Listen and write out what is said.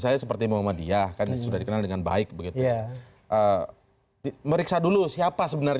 karena ini soal kemanusiaan